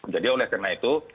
jadi oleh karena itu